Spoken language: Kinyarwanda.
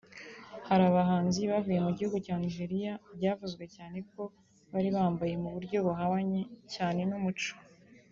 Hari abahanzi bavuye mu gihugu cya Nigeria byavuzwe cyane ko bari bambaye mu buryo buhabanye cyane n’umuco